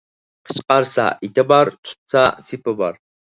قىچقارسا ئېتى بار، تۇتسا سېپى بار.